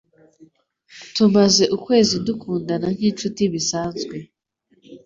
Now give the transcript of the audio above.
Tumaze ukwezi dukundana nkinshuti bisanzwe.